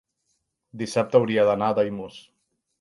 Dissabte hauria d'anar a Daimús.